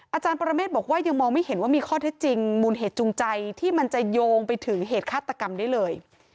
อาจารย์ปรเมฆบอกว่ายังมองไม่เห็นว่ามีข้อเท็จจริงมูลเหตุจูงใจที่มันจะโยงไปถึงเหตุฆาตกรรมได้เลย